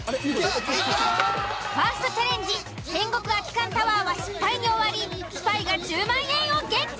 ファーストチャレンジ戦国空き缶タワーは失敗に終わりスパイが１０万円をゲット。